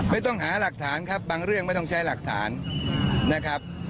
ไม่ต้องหาหลักฐานครับบางเรื่องไม่ต้องใช้หลักฐานนะครับ